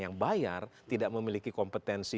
yang bayar tidak memiliki kompetensi